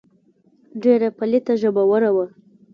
ډېره پليته ژبوره وه.